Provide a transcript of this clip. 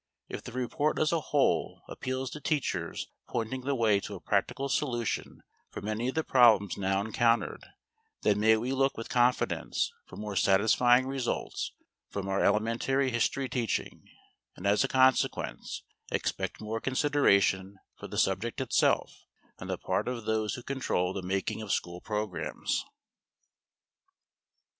If the report as a whole appeals to teachers as pointing the way to a practical solution for many of the problems now encountered, then may we look with confidence for more satisfying results from our elementary history teaching, and as a consequence expect more consideration for the subject itself on the part of those who control the making of school programs.